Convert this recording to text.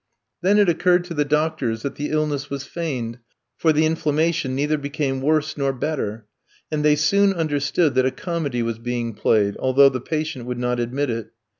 Then it occurred to the doctors that the illness was feigned, for the inflammation neither became worse nor better; and they soon understood that a comedy was being played, although the patient would not admit it.